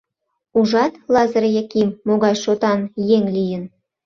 Ужат, Лазыр Яким могай шотан еҥ лийын.